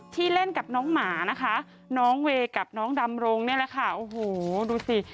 เล่นกับน้องหมานะคะน้องเวย์กับน้องดำรงนี่แหละค่ะโอ้โหดูสิ